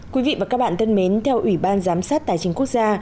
quý vị và các bạn thân mến theo ủy ban giám sát tài chính quốc gia